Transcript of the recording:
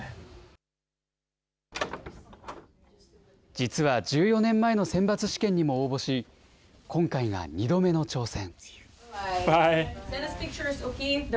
実は１４年前の選抜試験にも応募し、今回が２度目の挑戦。